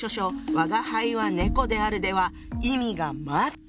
「吾輩は猫である」では意味が全く違うの！